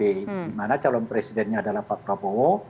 dimana calon presidennya adalah pak prabowo